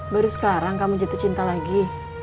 baru sekarang kamu jatuh cinta lagi